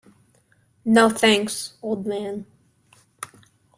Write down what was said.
No, thanks, old man.